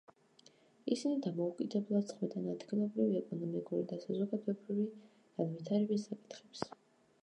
ისინი დამოუკიდებლად წყვეტენ ადგილობრივი ეკონომიკური და საზოგადოებრივი განვითარების საკითხებს.